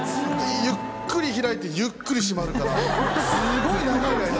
ゆっくり開いてゆっくり閉まるからすごい長い間。